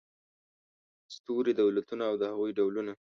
ستوري دولتونه او د هغوی ډولونه